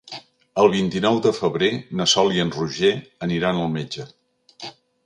El vint-i-nou de febrer na Sol i en Roger aniran al metge.